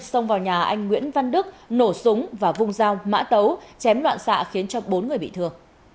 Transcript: xông vào nhà anh nguyễn văn đức nổ súng và vung dao mã tấu chém loạn xạ khiến cho bốn người bị thương